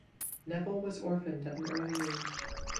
Neville was orphaned at an early age.